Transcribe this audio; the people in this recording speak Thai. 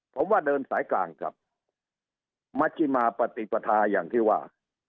ผมว่าเดินสายกลางครับมัชิมาปฏิปทาอย่างที่ว่า